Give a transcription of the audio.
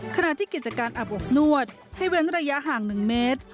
ขณะที่กิจการอาบอบนวดให้เว้นระยะห่าง๑เมตร